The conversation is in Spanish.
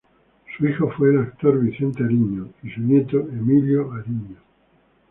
Su hijo fue el actor Vicente Ariño y su nieto Emilio Ariño.